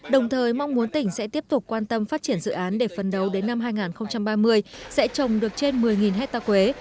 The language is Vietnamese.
đồng thời mong muốn tỉnh sẽ tiếp tục quan tâm phát triển dự án để phân đấu đến năm hai nghìn ba mươi sẽ trồng được trên một mươi hectare quế